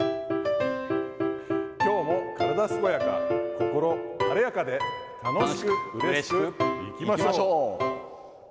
きょうも体健やか、心晴れやかで楽しくうれしくいきましょう。